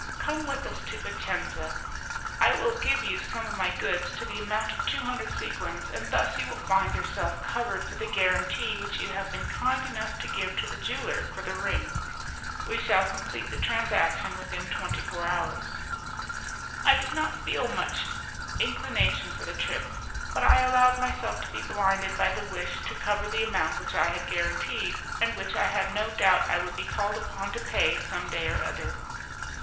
Come with us to Vicenza; I will give you some of my goods to the amount of two hundred sequins, and thus you will find yourself covered for the guarantee which you have been kind enough to give to the jeweller for the ring. We shall complete the transaction within twenty four hours." I did not feel much inclination for the trip, but I allowed myself to be blinded by the wish to cover the amount which I had guaranteed, and which I had no doubt I would be called upon to pay some day or other.